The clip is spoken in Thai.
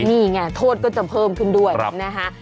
นี่ไงโทษก็จะเพิ่มขึ้นด้วยนะคะ